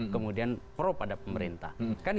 kemudian pro pada pemerintah